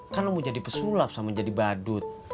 kan lu mau jadi pesulap sama jadi badut